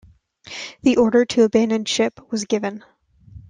The order to abandon ship was given.